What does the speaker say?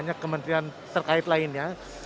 banyak kementerian terkait lainnya